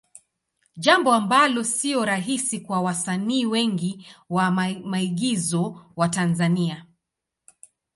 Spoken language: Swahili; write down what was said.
Jambo ambalo sio rahisi kwa wasanii wengi wa maigizo wa Tanzania.